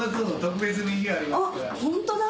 ホントだ。